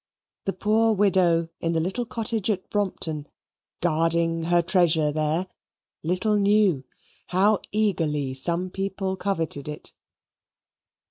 The poor widow in the little cottage at Brompton, guarding her treasure there, little knew how eagerly some people coveted it.